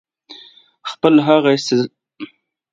خپل هغه استثمار ترې هېر وو چې پخوا یې کړې وه.